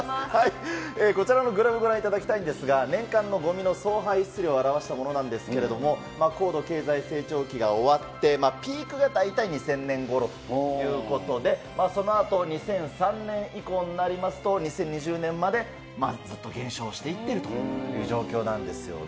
こちらのグラフご覧いただきたいんですが、年間のごみの総排出量を表したものなんですけれども、高度経済成長期が終わって、ピークが大体２０００年ごろということで、そのあと２００３年以降になりますと、２０２０年までずっと減少していっているという状況なんですよね。